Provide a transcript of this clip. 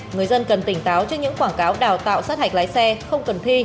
người dân cần tỉnh táo trước những quảng cáo đào tạo sát hạch lái xe không cần thi